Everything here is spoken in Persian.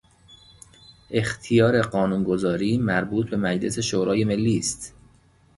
اختیار قانونگذاری مربوط به مجلس شورای ملی است.